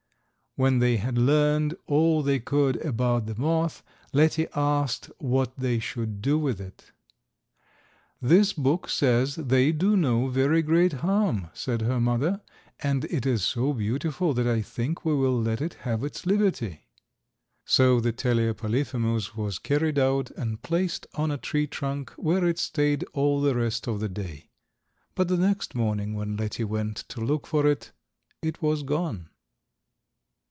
When they had learned all they could about the moth Letty asked what they should do with it. "This book says they do no very great harm," said her mother, "and it is so beautiful that I think we will let it have its liberty." So the Telea polyphemus was carried out and placed on a tree trunk where it stayed all the rest of the day. But the next morning when Letty went to look for it, it was gone.